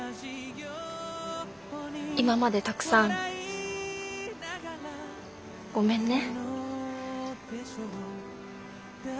今までたくさんごめんね。